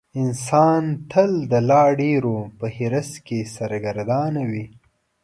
انسان تل د لا ډېرو په حرص کې سرګردانه وي.